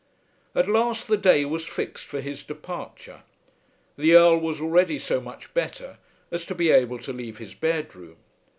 At last the day was fixed for his departure. The Earl was already so much better as to be able to leave his bedroom.